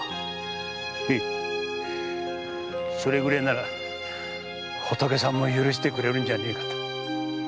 それぐらいなら仏さんも許してくれるんじゃねえかと。